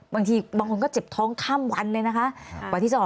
บางทีบางคนก็เจ็บท้องข้ามวันเลยนะคะวันที่๒